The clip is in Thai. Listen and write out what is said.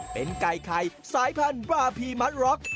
เป็นไก่ไข้สายพันธุรกิร์มอสตาล็อค